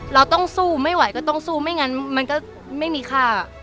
เราต้องสู้ไม่ไหวก็ต้องสู้ไม่งั้นมันก็ไม่มีค่า